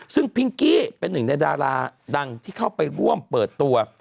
ซึ่งพิงกี้เป็นหนึ่งในดาราดังที่เข้าไปร่วมเปิดตัว